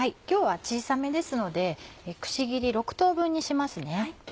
今日は小さめですのでくし切り６等分にします。